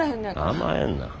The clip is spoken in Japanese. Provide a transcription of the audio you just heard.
甘えんな。